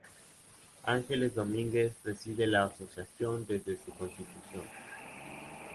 Ángeles Domínguez preside la asociación desde su constitución.